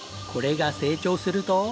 これが成長すると。